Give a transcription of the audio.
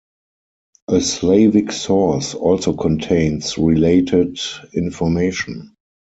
A Slavic source also contains related information.